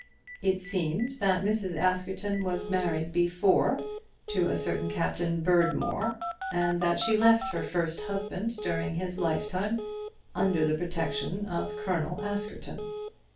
It seems that Mrs. Askerton was married before to a certain Captain Berdmore, and that she left her first husband during his lifetime under the protection of Colonel Askerton.